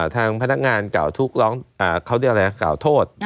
ทางพนักงานกล่าวโทษ